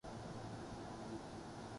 فقط یہ بات کہ پیر مغاں ہے مرد خلیق